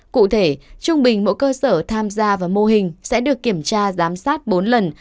cụ thể trung bình mỗi cơ sở tham gia vào mô hình sẽ được kiểm tra giám sát bốn lần